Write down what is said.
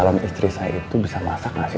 kalau istri saya itu bisa masak gak sih